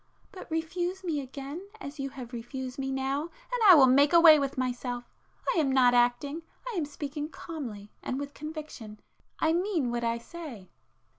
But refuse me again as you have refused me now, and I will make away with myself. I am not 'acting,'—I am speaking calmly and with conviction; I mean what I say!"